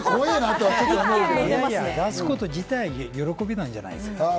出すこと自体、喜びなんじゃないですか？